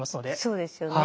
そうですよね。